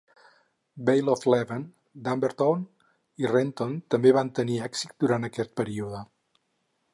Vale of Leven, Dumbarton i Renton també van tenir èxit durant aquest període.